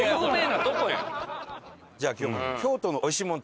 じゃあ今日も。